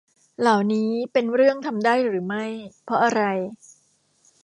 เหล่านี้เป็นเรื่องทำได้หรือไม่ เพราะอะไร